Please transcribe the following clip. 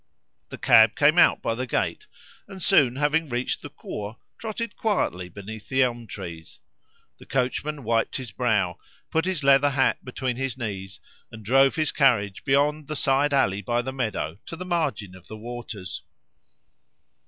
The cab came out by the gate, and soon having reached the Cours, trotted quietly beneath the elm trees. The coachman wiped his brow, put his leather hat between his knees, and drove his carriage beyond the side alley by the meadow to the margin of the waters.